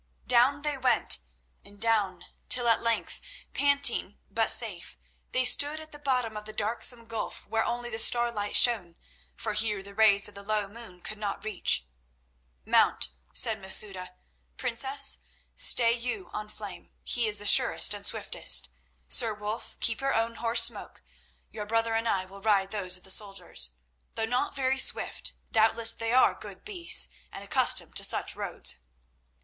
Down they went, and down, till at length, panting, but safe, they stood at the bottom of the darksome gulf where only the starlight shone, for here the rays of the low moon could not reach. "Mount," said Masouda. "Princess, stay you on Flame; he is the surest and the swiftest. Sir Wulf, keep your own horse Smoke; your brother and I will ride those of the soldiers. Though not very swift, doubtless they are good beasts, and accustomed to such roads."